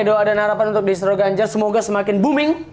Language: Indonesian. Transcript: doa dan harapan untuk distro ganjar semoga semakin booming